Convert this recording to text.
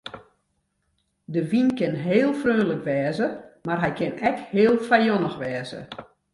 De wyn kin heel freonlik wêze mar hy kin ek heel fijannich wêze.